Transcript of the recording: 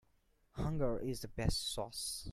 Hunger is the best sauce.